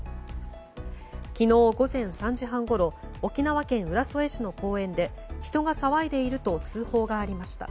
昨日午前３時半ごろ沖縄県浦添市の公園で人が騒いでいると通報がありました。